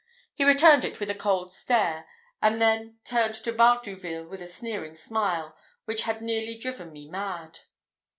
He returned it with a cold stare, and then turned to Bardouville with a sneering smile, which had nearly driven me mad.